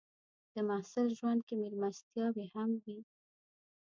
د محصل ژوند کې مېلمستیاوې هم وي.